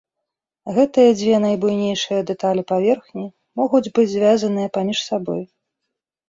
Гэтыя дзве найбуйнейшыя дэталі паверхні могуць быць звязаныя паміж сабой.